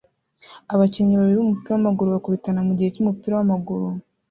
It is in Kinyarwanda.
Abakinnyi babiri bumupira wamaguru bakubitana mugihe cyumupira wamaguru